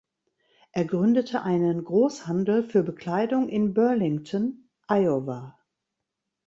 Er gründete einen Großhandel für Bekleidung in Burlington (Iowa).